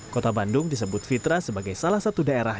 kota bandung disebut fitra sebagai salah satu daerah